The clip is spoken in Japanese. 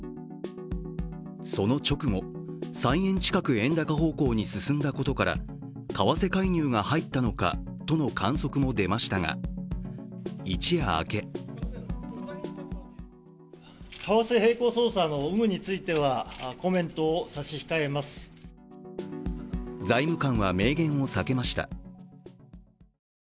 その直後、３円近く円高方向に進んだことから為替介入が入ったのかとの観測も出ましたが、一夜明け財務官は明言を避けました。